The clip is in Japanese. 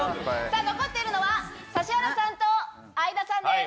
残ってるのは指原さんと相田さんです。